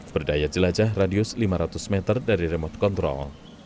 berdaya jelajah radius lima ratus meter dari remote control